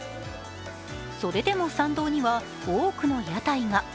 それでも参道には多くの屋台が。